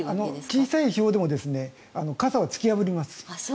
小さいひょうでも傘を突き破ります。